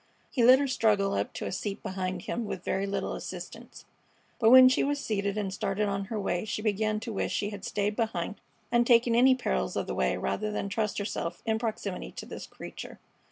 He let her struggle up to a seat behind himself with very little assistance, but when she was seated and started on her way she began to wish she had stayed behind and taken any perils of the way rather than trust herself in proximity to this creature.